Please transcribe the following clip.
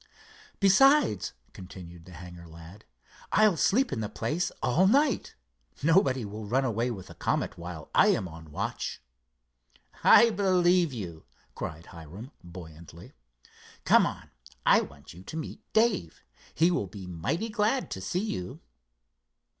"Besides," continued the hangar lad, "I'll sleep in the place all night. Nobody will run away with the Comet while I am on watch." "I believe you," cried Hiram buoyantly. "Come on, I want you to meet Dave. He will be mighty glad to see you."